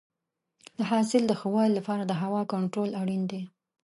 د حاصل د ښه والي لپاره د هوا کنټرول اړین دی.